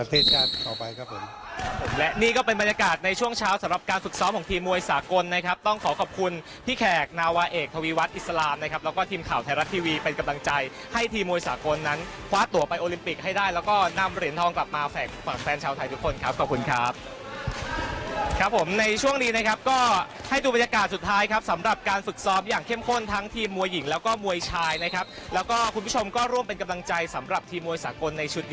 ต่อไปครับผมและนี่ก็เป็นบรรยากาศในช่วงเช้าสำหรับการฝึกซ้อมของทีมมวยสากลนะครับต้องขอขอบคุณพี่แขกนาวาเอกทวีวัฒน์อิสลามนะครับแล้วก็ทีมข่าวไทยรัฐทีวีเป็นกำลังใจให้ทีมมวยสากลนั้นคว้าตั๋วไปโอลิมปิกให้ได้แล้วก็นำเหรียญทองกลับมาแฝกฝั่งแฟนชาวไทยท